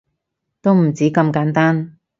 都唔止咁簡單